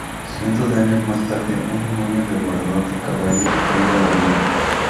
Cientos de años más tarde, un demonio devorador de cabellos vuelve a la vida.